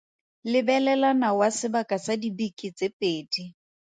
Lebelela nawa sebaka sa dibeke tse pedi.